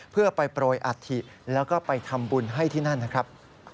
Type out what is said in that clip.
เพื่อไปโปรยอัฐิแล้วก็ไปทำบุญให้ที่นั่นนะครับ